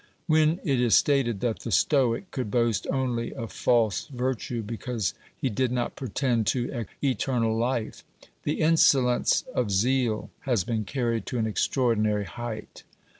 When it is stated that the Stoic could boast only of false virtue because he did not pretend to eternal life, the insolence of zeal has been carried to an extraordinary height.